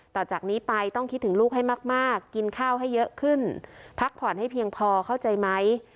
จากนี้ไปต้องคิดถึงลูกให้มากกินข้าวให้เยอะขึ้นพักผ่อนให้เพียงพอเข้าใจไหม